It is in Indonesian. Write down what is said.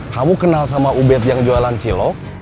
kamu kenal sama ubed yang jualan cilok